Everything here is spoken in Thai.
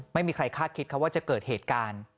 ไม่มีใครคาดคิดครับว่าจะเกิดเหตุการณ์